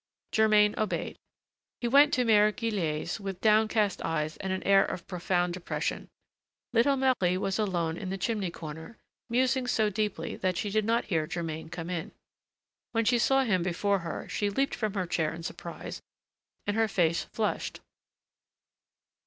Germain obeyed. He went to Mère Guillette's, with downcast eyes and an air of profound depression. Little Marie was alone in the chimney corner, musing so deeply that she did not hear Germain come in. When she saw him before her, she leaped from her chair in surprise and her face flushed.